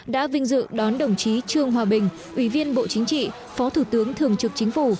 đã vinh dự đón đồng chí trương hòa bình ủy viên bộ chính trị phó thủ tướng thường trực chính phủ